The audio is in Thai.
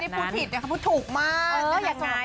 พูดถืกไม่ได้พูดผิดพูดถูกมากเอออย่างไง